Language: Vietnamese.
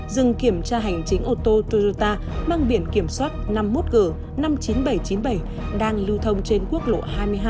dừng kiểm tra hành chính ô tô toyota mang biển kiểm soát năm mươi một g năm mươi chín nghìn bảy trăm chín mươi bảy đang lưu thông trên quốc lộ hai mươi hai